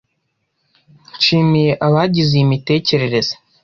Nshimiye abagize iyi mitekerereze